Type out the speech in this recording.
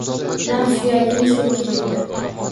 Naq suyaging chirib ketuvdi.